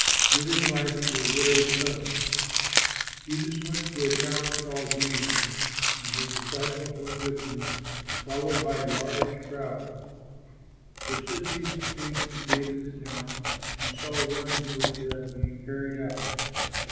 GIVING LIFE TO A WIDOW'S SON Jesus went to a town called Nain; and his disciples went with him followed by a large crowd. Just as Jesus came to the gate of the town, he saw one who was dead being carried out.